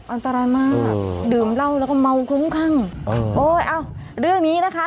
อันตรายมากอืมดื่มเล่าแล้วก็เมาคุ้มข้างอ๋อโอ้ยเอาเรื่องนี้นะคะ